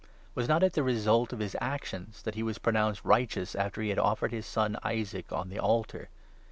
Was not it the result of his actions that he was pronounced righteous after he had offered his son, Isaac, on the altar?